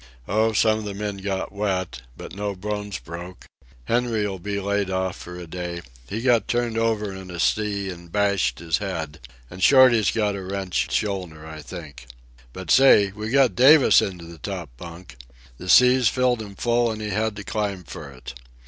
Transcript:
"Oh, some of the men got wet. But no bones broke. Henry'll be laid off for a day. He got turned over in a sea and bashed his head. And Shorty's got a wrenched shoulder, I think.—But, say, we got Davis into the top bunk! The seas filled him full and he had to climb for it.